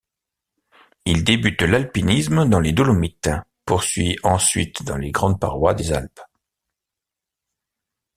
Il débute l'alpinisme dans les Dolomites, poursuit ensuite dans les grandes parois des Alpes.